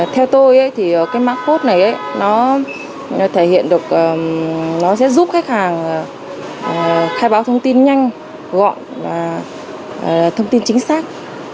theo tôi mạng code này sẽ giúp khách hàng khai báo thông tin nhanh gọn và thông tin chính xác